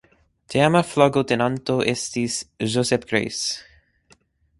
Teama flagotenanto estis "Josep Graells".